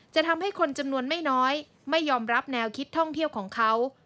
จะทำให้คนจำนวนไม่น้อยไม่ยอมรับแนวคิดท่องเที่ยวของเขา